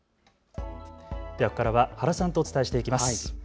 ここからは原さんとお伝えしていきます。